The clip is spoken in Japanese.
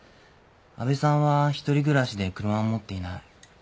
安部さんは独り暮らしで車も持っていない。